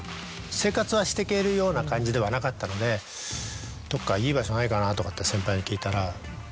生活はしてけるような感じではなかったので「どっかいい場所ないかな？」とかって先輩に聞いたら。